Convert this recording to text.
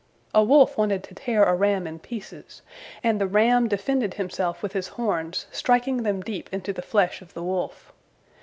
A wolf wanted to tear a ram in pieces, and the ram defended himself with his horns, striking them deep into the flesh of the wolf.